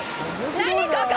何、ここ！？